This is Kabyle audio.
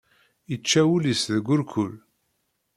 Ičča ul-is deg urkul.